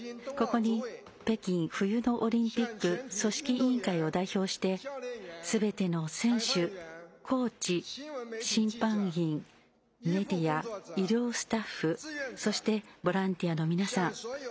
ここに北京、冬のオリンピック組織委員会を代表してすべての選手、コーチ、審判員メディア、医療スタッフそして、ボランティアの皆さん。